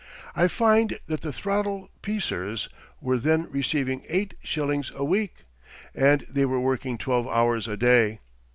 I find that the throttle piecers were then receiving eight shillings a week, and they were working twelve hours a day.